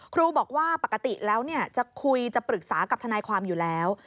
ครูบอกว่าปกติแล้วจะคุยจะปรึกษากับทนายความอยู่แล้ว